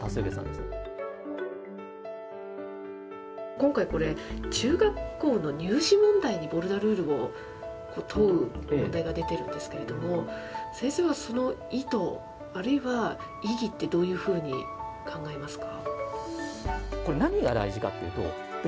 今回、これ、中学校の入試問題にボルダルールを問う問題が出てるんですけど、先生はその意図、あるいは意義って、どういうふうに考えますか。